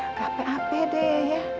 gak apa apa deh ya